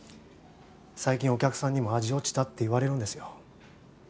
最近お客さんにも味落ちたって言われるんですよ。